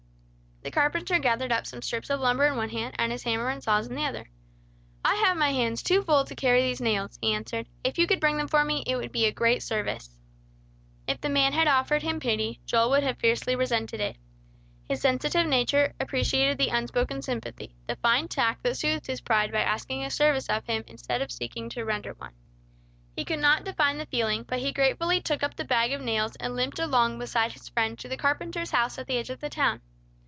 The carpenter gathered up some strips of lumber in one hand, and his hammer and saws in the other. "I have my hands too full to carry these nails," he answered. "If you could bring them for me, it would be a great service." If the man had offered him pity, Joel would have fiercely resented it. His sensitive nature appreciated the unspoken sympathy, the fine tact that soothed his pride by asking a service of him, instead of seeking to render one. He could not define the feeling, but he gratefully took up the bag of nails, and limped along beside his friend to the carpenter's house at the edge of the town.